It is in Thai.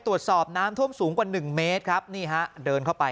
ตรวจสอบน้ำท่วมสูงกว่าหนึ่งเมตรครับนี่ฮะเดินเข้าไป